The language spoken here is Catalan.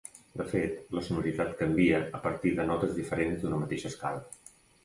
De fet, la sonoritat canvia a partir de notes diferents d'una mateixa escala.